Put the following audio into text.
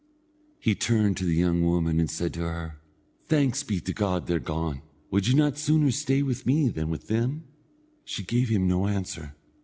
He turned to the young woman and said to her: "Thanks be to God, they're gone. Would you not sooner stay with me than with them?" She gave him no answer.